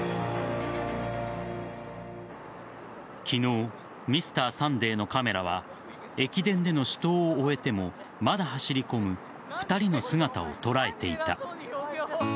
昨日「Ｍｒ．サンデー」のカメラは駅伝での死闘を終えてもまだ走り込む２人の姿を捉えていた。